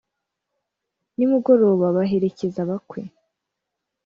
nimugoroba baherekeza abakwe